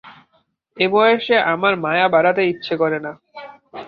এ বয়সে আমার মায়া বাড়াতে ইচ্ছা করে না।